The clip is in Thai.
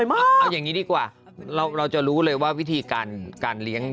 เอาอย่างนี้ดีกว่าเราจะรู้เลยว่าวิธีการเลี้ยง